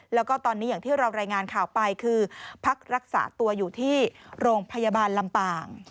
แล้วก็ตอนนี้อย่างที่เรารายงานข่าวไปคือพักรักษาตัวอยู่ที่โรงพยาบาลลำปาง